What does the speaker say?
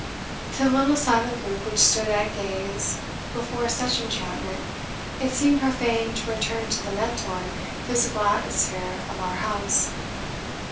To the little silent group which stood at gaze before such enchantment it seemed profane to return to the mental and physical atmosphere of our house.